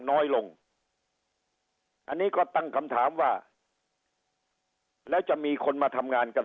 น้อยลงอันนี้ก็ตั้งคำถามว่าแล้วจะมีคนมาทำงานกัน